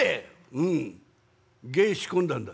「うん芸仕込んだんだ」。